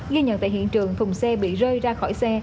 ghi nhận tại hiện trường thùng xe bị rơi ra khỏi xe